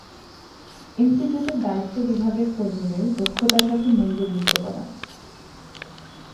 ইনস্টিটিউটের দায়িত্ব বিভাগের কর্মীদের দক্ষতার সাথে মূল্য যুক্ত করা।